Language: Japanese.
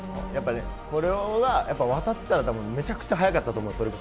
やっぱり、これはやっぱり渡ってたらめちゃくちゃ速かったと思います。